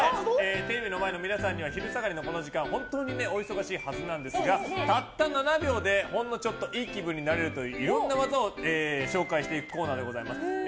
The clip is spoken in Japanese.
テレビの前の皆さんには昼下がりのこの時間本当にお忙しいはずですがたった７秒でほんのちょっといい気分になれるといういろんな技を紹介していくコーナーでございます。